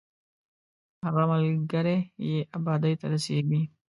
هغه ملګری یې ابادۍ ته رسېږي.